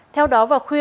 theo đó vào khuya